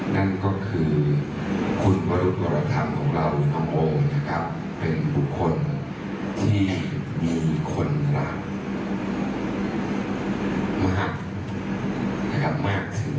สำนวนสยอดเงินที่ผ่านมาทางบัญชิโรงรวม